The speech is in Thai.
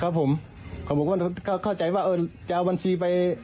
ครับผมเขาบอกว่าเขาเข้าใจว่าจะเอาบัญชีไป